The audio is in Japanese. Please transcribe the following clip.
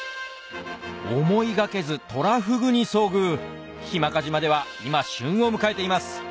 思い掛けずトラフグに遭遇日間賀島では今旬を迎えています